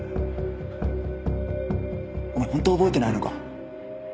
お前本当覚えてないのか？